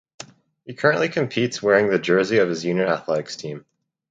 He currently competes wearing the jersey of his unit athletics team.